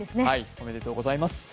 おめでとうございます。